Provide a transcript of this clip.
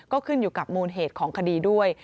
ก็ขึ้นอยู่กับมูลเหตุของคดีด้วย